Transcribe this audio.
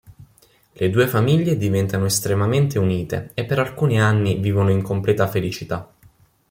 Le due famiglie diventano estremamente unite e per alcuni anni vivono in completa felicità.